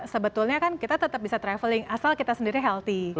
sebetulnya kan kita tetap bisa traveling asal kita sendiri healthy